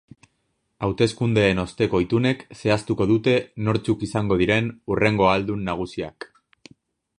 Hauteskundeen osteko itunek zehaztuko dute nortzuk izango diren hurrengo ahaldun nagusiak.